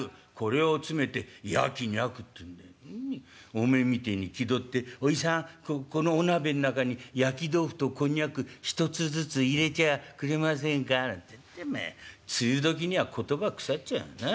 おめえみてえに気取って『おじさんこのお鍋ん中に焼き豆腐とこんにゃく１つずつ入れてはくれませんか』なんて梅雨時には言葉腐っちゃうなっ。